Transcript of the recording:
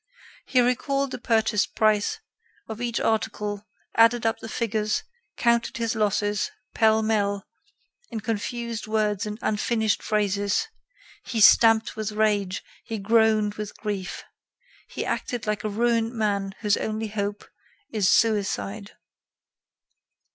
He recalled the purchase price of each article, added up the figures, counted his losses, pell mell, in confused words and unfinished phrases. He stamped with rage; he groaned with grief. He acted like a ruined man whose only hope is suicide.